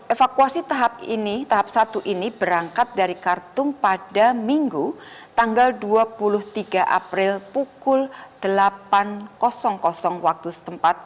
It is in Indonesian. evakuasi tahap satu ini berangkat dari kartum pada minggu dua puluh tiga april pukul delapan ratus waktu setempat